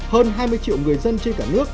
hơn hai mươi triệu người dân trên cả nước